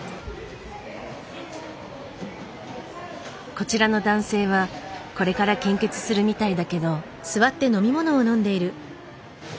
こちらの男性はこれから献血するみたいだけど。